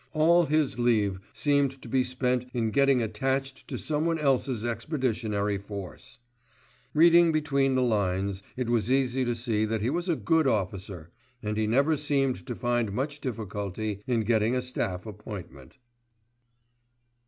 All his leave seemed to be spent in getting attached to someone else's expeditionary force. Reading between the lines it was easy to see that he was a good officer, and he never seemed to find much difficulty in getting a staff appointment.